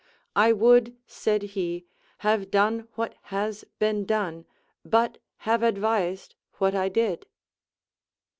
I would, said he, have done what has been done, but have advised what I did.